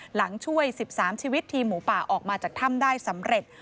หลังช่วย๑๓ชีวิตทีมหมูป่าออกมาจากถ้ำได้สำเร็จ